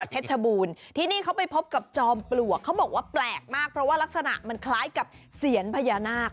ชบูรณ์ที่นี่เขาไปพบกับจอมปลวกเขาบอกว่าแปลกมากเพราะว่ารักษณะมันคล้ายกับเสียญพญานาค